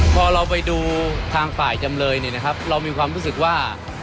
พอเราไปดูทางฝ่ายจำเลยเนี่ยนะครับเรามีความรู้สึกว่า